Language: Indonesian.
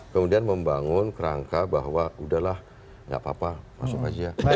kemudian membangun kerangka bahwa udahlah nggak apa apa masuk aja